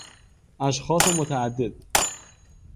اشخاص متعدد